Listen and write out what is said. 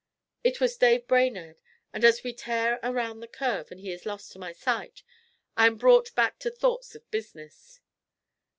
It is Dave Brainerd, and as we tear around a curve and he is lost to my sight, I am brought back to thoughts of business.